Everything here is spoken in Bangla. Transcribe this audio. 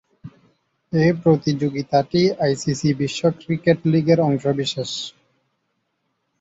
এ প্রতিযোগিতাটি আইসিসি বিশ্ব ক্রিকেট লীগের অংশবিশেষ।